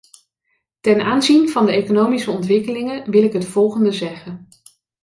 Ten aanzien van de economische ontwikkelingen wil ik het volgende zeggen.